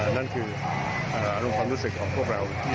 นั่นคืออารมณ์ความรู้สึกของพวกเราที่นัด